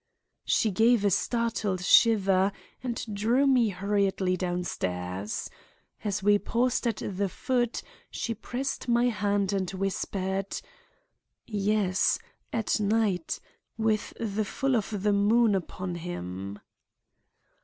"She gave a startled shiver, and drew me hurriedly downstairs. As we paused at the foot, she pressed my hand and whispered: "'Yes; at night; with the full of the moon upon him.